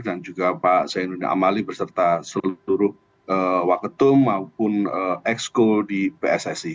dan juga pak zainuddin amali berserta seluruh waketum maupun exco di pssi